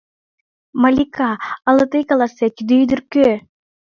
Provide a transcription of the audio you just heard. Малика, ала тый каласет, тиде ӱдыр кӧ?